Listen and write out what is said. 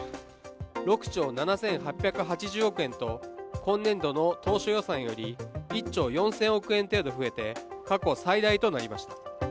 ６兆７８８０億円と今年度の当初予算より１兆４０００億円程度増えて過去最大となりました。